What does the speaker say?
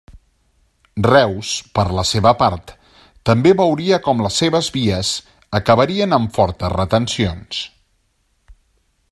Reus, per la seva part, també veuria com les seves vies acabarien amb fortes retencions.